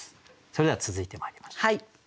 それでは続いてまいりましょう。